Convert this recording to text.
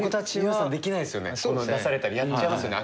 出されたりやっちゃいますよね